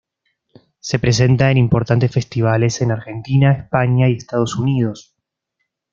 Se presenta en importantes festivales en Argentina, España y Estados Unidos.